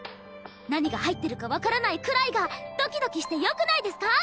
何が入ってるか分からないくらいがドキドキしてよくないですか？